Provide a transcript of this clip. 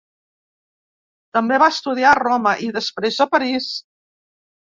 També va estudiar a Roma, i després, a París.